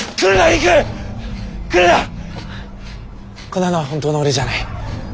こんなのは本当の俺じゃない。